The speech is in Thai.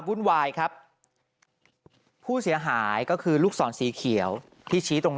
ไม่ใช่เขามาหาเรื่องเอง